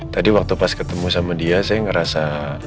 tadi waktu pas ketemu sama dia saya ngerasa